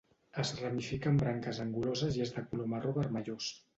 Es ramifica en branques anguloses i és de color marró vermellós.